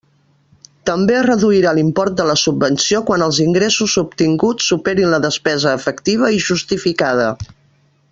També es reduirà l'import de la subvenció quan els ingressos obtinguts superin la despesa efectiva i justificada.